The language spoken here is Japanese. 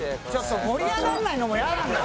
盛り上がらないのもイヤなんだよ！